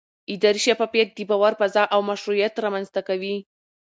اداري شفافیت د باور فضا او مشروعیت رامنځته کوي